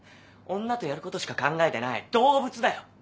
女とやることしか考えてない動物だよ。